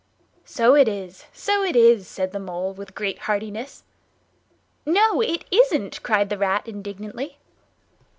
"So it is, so it is," said the Mole, with great heartiness. "No, it isn't!" cried the Rat indignantly.